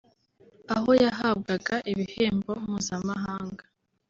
aho yahabwaga ibihembo mpuzamahanga